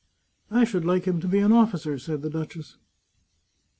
" I should like him to be an officer," said the duchess.